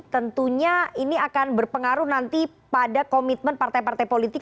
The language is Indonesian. tentunya ini akan berpengaruh nanti pada komitmen partai partai politik